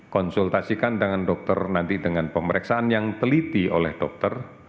konsultasikan dengan dokter nanti dengan pemeriksaan yang teliti oleh dokter